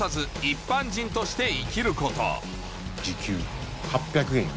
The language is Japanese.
時給８００円やぞ。